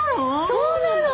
そうなの。